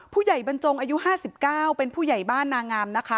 บรรจงอายุ๕๙เป็นผู้ใหญ่บ้านนางามนะคะ